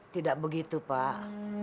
tidak begitu pak